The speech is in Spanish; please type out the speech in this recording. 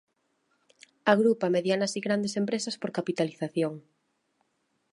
Agrupa medianas y grandes empresas por capitalización.